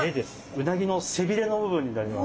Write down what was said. うなぎの背びれの部分になります。